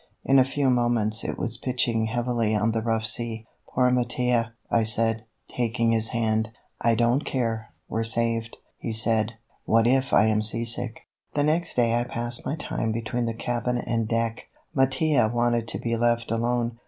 In a few moments it was pitching heavily on the rough sea. "Poor Mattia," I said, taking his hand. "I don't care, we're saved," he said; "what if I am seasick?" The next day I passed my time between the cabin and deck. Mattia wanted to be left alone.